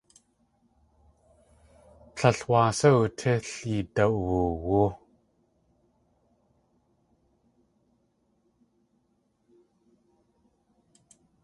Tlél wáa sá utí l yidawoowú.